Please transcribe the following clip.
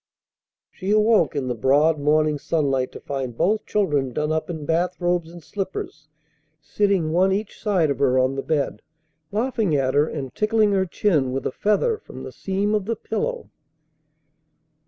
She awoke in the broad morning sunlight to find both children done up in bath robes and slippers, sitting one each side of her on the bed, laughing at her and tickling her chin with a feather from the seam of the pillow.